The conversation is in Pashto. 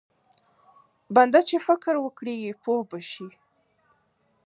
بنده چې فکر وکړي پوه به شي.